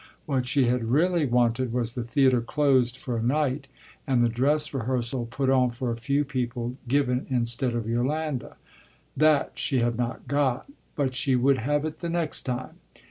What she had really wanted was the theatre closed for a night and the dress rehearsal, put on for a few people, given instead of Yolande. That she had not got, but she would have it the next time.